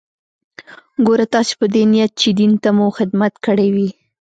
ګوره تاسې په دې نيت چې دين ته مو خدمت کړى وي.